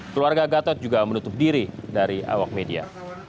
keluarga gatot juga menutup diri dari awak media